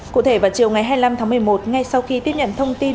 cụ thể vào chiều ngày hai mươi năm tháng một mươi một ngay sau khi tiếp nhận thông tin